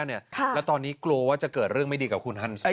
แล้วตอนนี้กลัวว่าจะเกิดเรื่องไม่ดีกับคุณฮันซี